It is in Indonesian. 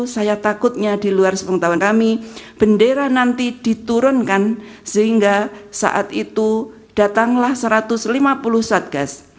saya takutnya di luar sepengetahuan kami bendera nanti diturunkan sehingga saat itu datanglah satu ratus lima puluh satgas